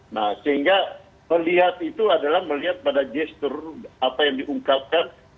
nah sehingga melihat itu adalah melihat pada gestur apa yang diungkapkan